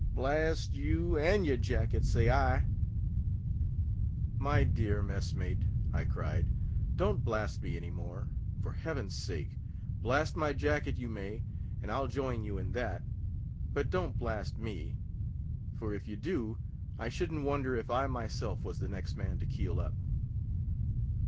Blast you, and your jacket, say I." "My dear mess mate," I cried, "don't blast me any more, for Heaven's sale. Blast my jacket you may, and I'll join you in that; but don't blast me; for if you do, I shouldn't wonder if I myself was the next man to keel up."